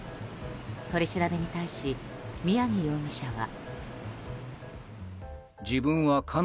取り調べに対し宮城容疑者は。